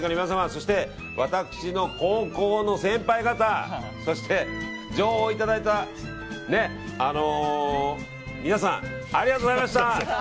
そして、私の高校の先輩方そして、情報をいただいた皆さんありがとうございました！